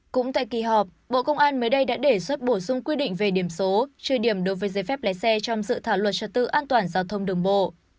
cũng tại kỳ họp bộ công an mới đây đã đề xuất bổ sung quy định về điểm số trừ điểm đối với giấy phép lái xe trong dự thảo luật trật tự an toàn giao thông đường bộ